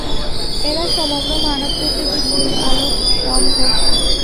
এঁরা সমগ্র মানব-প্রকৃতির দুই আলোকস্তম্ভ।